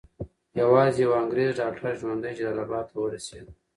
یوازې یو انګریز ډاکټر ژوندی جلال اباد ته ورسېد.